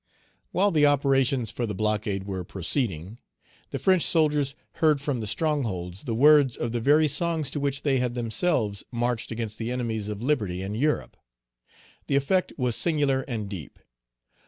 While the operations for the blockade were proceedings, the French soldiers heard from the strongholds the words of the very songs to which they had themselves marched against the enemies of liberty in Europe. The effect was singular and deep.